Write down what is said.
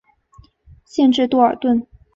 县治多尔顿。